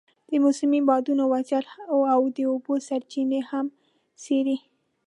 د موسمي بادونو وضعیت او د اوبو سرچینې هم څېړي.